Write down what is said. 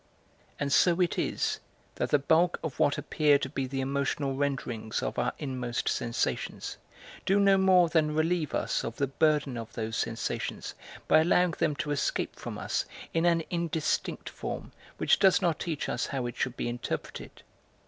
And so it is that the bulk of what appear to be the emotional renderings of our inmost sensations do no more than relieve us of the burden of those sensations by allowing them to escape from us in an indistinct form which does not teach us how it should be interpreted.